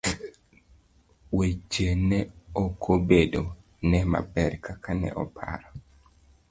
Weche ne okobedo ne maber kaka ne oparo.